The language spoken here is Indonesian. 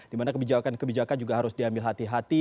dimana kebijakan kebijakan juga harus diambil hati hati